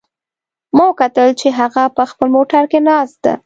ما وکتل چې هغه په خپل موټر کې ناست ده